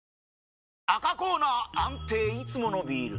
赤コーナー安定いつものビール！